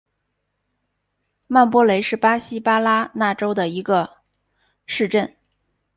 曼波雷是巴西巴拉那州的一个市镇。